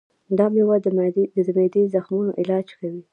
دا مېوه د معدې د زخمونو علاج کوي.